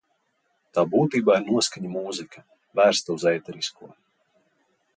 Tā būtībā ir noskaņu mūzika, vērsta uz ēterisko.